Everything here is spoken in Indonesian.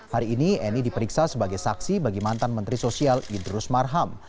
hari ini eni diperiksa sebagai saksi bagi mantan menteri sosial idrus marham